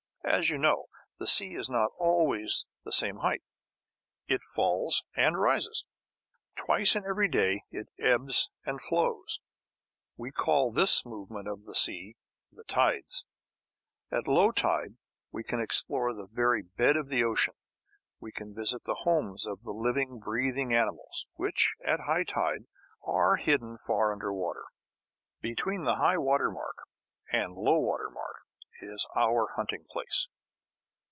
As you know, the sea is not always at the same height. It falls and rises. Twice in every day it ebbs and flows; we call this movement of the sea the tides. At low tide we can explore the very bed of the ocean. We can visit the homes of the living, breathing animals, which, at high tide, are hidden far under water. Between the high water mark and low water mark is our hunting place.